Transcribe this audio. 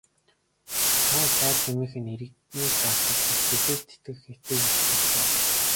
Хаан сайд хэмээх нь иргэнийг дарлах бус, тэжээж тэтгэх эцэг эх бус уу.